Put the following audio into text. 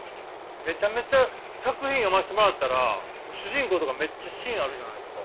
めちゃめちゃ作品読ませてもらったらもう主人公とかめっちゃ芯あるじゃないですか。